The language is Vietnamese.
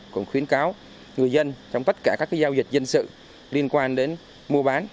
cũng khuyến cáo người dân trong tất cả các giao dịch dân sự liên quan đến mua bán